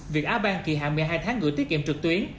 việt á bank kỳ hạng một mươi hai tháng gửi tiết kiệm trực tuyến